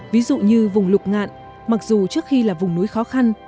ví dụ như vùng lục ngạn mặc dù trước khi là vùng núi khó khăn